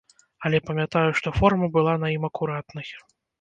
Але памятаю, што форма была на ім акуратнай.